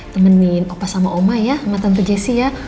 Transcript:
temenin opa sama oma ya sama tante jessi ya